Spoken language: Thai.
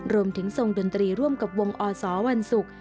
รวมถึงทรงดนตรีร่วมกับวงอสวันศุกร์